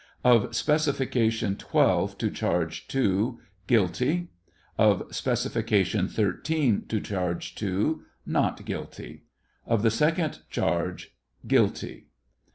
Of specification twelve to charge II, " guilty." Of specification thirteen to charge II, " not guilty." Of the second charge, " guilty."